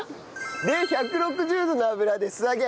で１６０度の油で素揚げ。